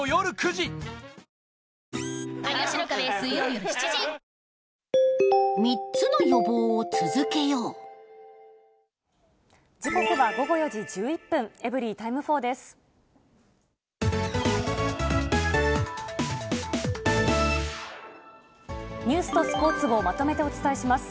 時刻は午後４時１１分、エブリィタイム４です。